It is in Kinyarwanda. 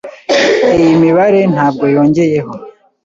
Iyi mibare ntabwo yongeyeho.